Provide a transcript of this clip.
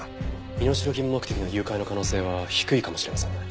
身代金目的の誘拐の可能性は低いかもしれませんね。